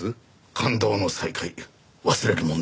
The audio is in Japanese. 感動の再会忘れるものですか。